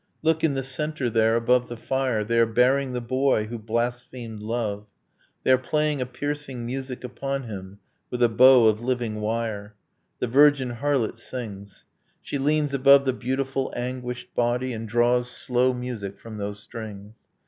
Look, in the centre there, above the fire, They are bearing the boy who blasphemed love! They are playing a piercing music upon him With a bow of living wire! ... The virgin harlot sings, She leans above the beautiful anguished body, And draws slow music from those strings.